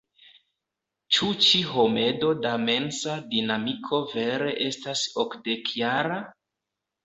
Ĉu ĉi homedo da mensa dinamiko vere estas okdekjara?